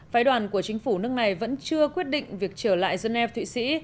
phái đoàn của chính phủ nước này vẫn chưa quyết định việc trở lại geneva thụy sĩ